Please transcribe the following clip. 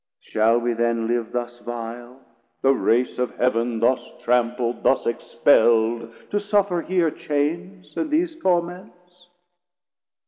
Shall we then live thus vile, the race of Heav'n Thus trampl'd, thus expell'd to suffer here Chains and these Torments?